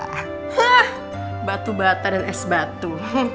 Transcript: hah batu bata dan es batu